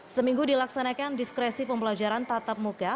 seminggu dilaksanakan diskresi pembelajaran tatap muka